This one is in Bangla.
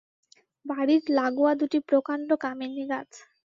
বাড়ির লাগোয়া দুটি প্রকাণ্ড কামিনী গাছ।